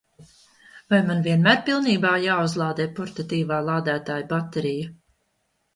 Vai man vienmēr pilnībā jāuzlādē portatīvā lādētāja baterija?